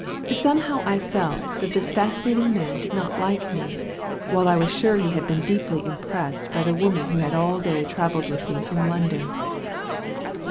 Somehow I felt that this fascinating man did not like me, while I was sure he had been deeply impressed by the woman who had that day travelled with me from London.